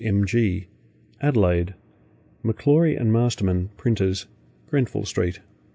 C.M.G. Adelaide: McClory and Masterman, Printers, Grenfell Street.